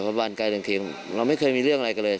เพราะว่าในใกล้เรืองเครียมเราไม่เคยมีเรื่องอะไรกันเลย